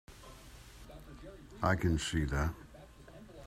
I can see that.